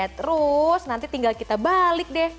terus nanti tinggal kita balik deh